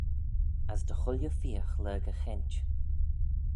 As dy chooilley feeagh lurg e cheint.